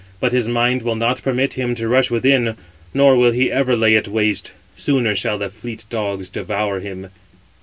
But his mind will not permit him to rush within, nor will he ever lay it waste; sooner shall the fleet dogs devour him."